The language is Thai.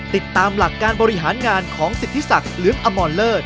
ติดตามหลักการบริหารงานของสิทธิศักดิ์หรืออมรเลิศ